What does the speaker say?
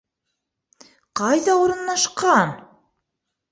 ... ҡайҙа урынлашҡан?